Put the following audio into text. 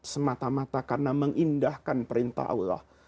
semata mata karena mengindahkan perintah allah